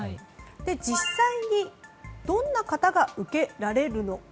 実際にどんな方が受けられるのか。